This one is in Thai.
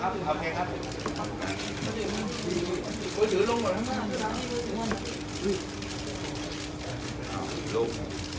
ตกหัวอีกครับ